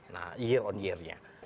nah year on year nya